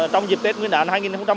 trong dịp tết nguyên đán